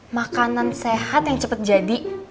makanan sehat yang cepat jadi